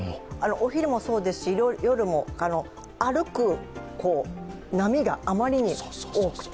お昼もそうですし夜も歩く波があまりに多くて。